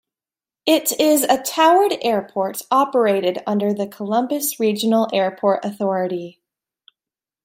It is a towered airport operated under the Columbus Regional Airport Authority.